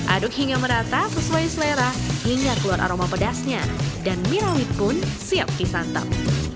aduk hingga merata sesuai selera hingga keluar aroma pedasnya dan mie rawit pun siap disantap